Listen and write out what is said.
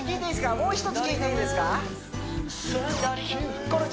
もう１つ聞いていいですか？